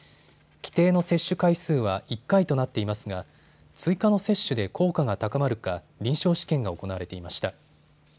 規定の接種回数は１回となっていますが追加の接種で効果が高まるか臨床試験が行われていました。